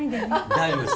大丈夫です。